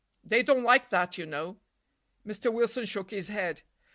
They don't like that, you know." Mr. Wilson shook his head.